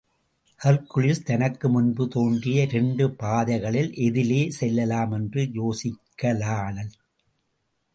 ஹர்குலிஸ் தனக்கு முன்பு தோன்றிய இரண்டு பாதைக்களில் எதிலே செல்லலாம் என்று யோசிக்கலான்.